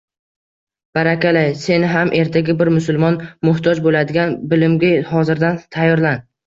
— Barakalla, sen ham ertaga bir musulmon muhtoj bo'ladigan bilimga hozirdan tayyorlan.